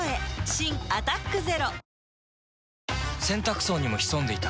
新「アタックＺＥＲＯ」洗濯槽にも潜んでいた。